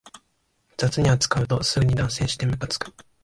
雑に扱うとすぐに断線してムカつく